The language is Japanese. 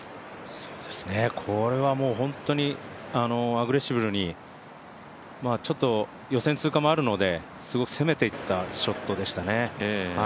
これは本当にアグレッシブルに、ちょっと予選通過もあるのですごく攻めていったショットでしたね。